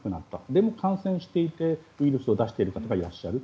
でも感染していてウイルスを出している方がいらっしゃる。